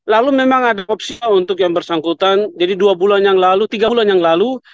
lalu memang ada opsi untuk yang bersangkutan jadi dua bulan yang lalu tiga bulan yang lalu